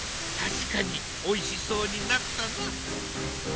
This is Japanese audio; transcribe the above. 確かにおいしそうになったな。